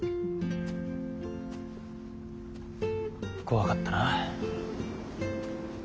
怖かったな。